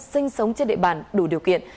sinh sống trên địa bàn đủ điều kiện